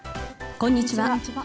こんにちは。